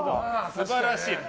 素晴らしい。